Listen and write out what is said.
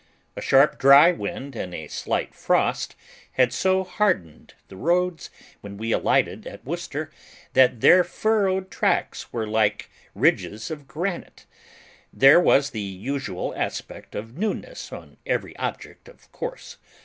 A sharp dry wind and a slight frost had so hardened the roads when we alighted at Worcester, that their furrowed tracks were like ridges of granite. There was the usual aspect of newness on every object, of course.